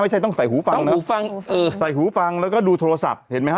ไม่ใช่ต้องใส่หูฟังนะต้องหูฟังเออใส่หูฟังแล้วก็ดูโทรศัพท์เห็นมั้ยฮะ